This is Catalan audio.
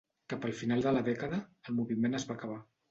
Cap al final de la dècada, el moviment es va acabar.